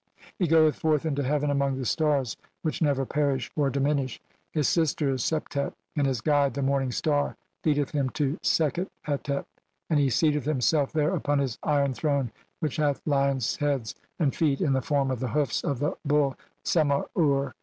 "He goeth forth into heaven among the stars which "never perish (or diminish), his sister is Septet, and "his guide the Morning Star leadeth him to Sekhet "Hetep, and he seateth himself there upon his iron "throne which hath lions' heads and feet in the form "of the hoofs of the bull Sema ur.